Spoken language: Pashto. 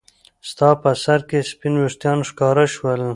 ستا په سر کې سپین ويښتان ښکاره شول.